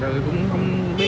thật sự cũng không biết nữa